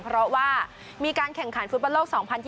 เพราะว่ามีการแข่งขันฟุตบอลโลก๒๐๒๐